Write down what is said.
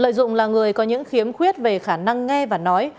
lợi dụng là người có những khiếm khuyết về khả năng nghe và nói